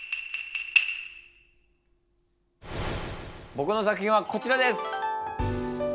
ぼくの作品はこちらです。